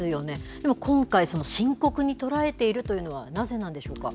でも今回、深刻に捉えているというのはなぜなんでしょうか。